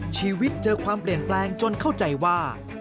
ชีวิตเจอความเปลี่ยนแปลงจนเข้าใจว่า